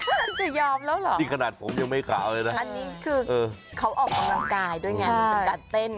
เอาจริงที่ขนาดผมยังไม่ขาวเลยนะอันนี้คือเขาออกกำลังกายด้วยงานกับการเต้น